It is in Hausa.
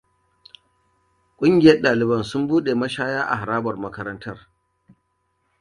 Ƙungiyar ɗaliban sun buɗe mashaya a harabar makarantar.